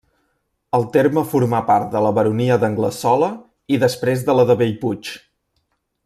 El terme formà part de la baronia d'Anglesola i després de la de Bellpuig.